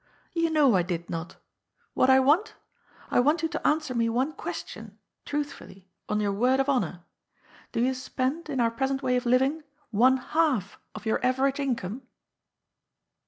You know I did not. What I want? I want you to answer me one question — truthfully — on your word of honour. Do you spend, in our present way of living, one half of your average income